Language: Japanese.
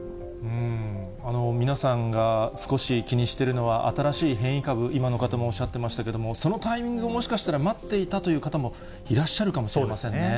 皆さんが少し気にしてるのは、新しい変異株、今の方もおっしゃってましたけども、そのタイミングをもしかしたら待っていたという方もいらっしゃる